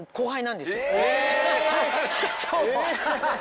そう。